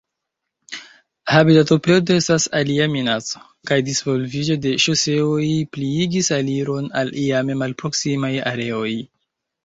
Habitatoperdo estas alia minaco, kaj disvolviĝo de ŝoseoj pliigis aliron al iame malproksimaj areoj.